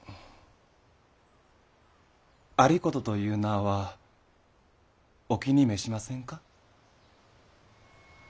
有功という名はお気に召しませんか？